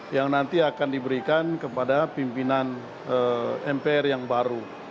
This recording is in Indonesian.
yang nanti akan diberikan kepada pimpinan mpr yang baru